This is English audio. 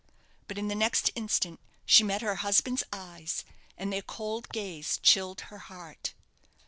But in the next instant she met her husband's eyes, and their cold gaze chilled her heart.